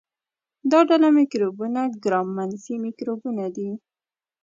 دا ډله مکروبونه ګرام منفي مکروبونه دي.